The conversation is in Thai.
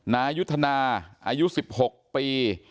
นายุทธนาอายุ๑๖ปี